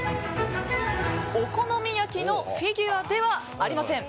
お好み焼きのフィギュアではありません。